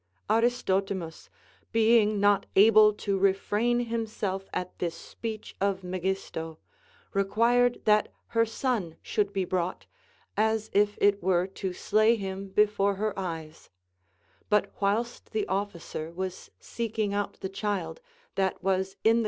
Aristotimus, being not able to refrain himself at this speech of Megisto, required that her son should be brought, as if it were to slay him before her eyes ; but whilst the officer was seeking out the child, that was in the CONCERNING THE VIRTUES OF WOMEN.